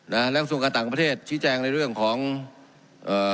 นะแล้วกระทรวงการต่างประเทศชี้แจงในเรื่องของเอ่อ